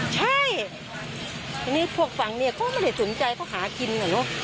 ใช่อันนี้พวกฝั่งเนี่ยก็ไม่ได้สนใจเขาหากินอะเนอะ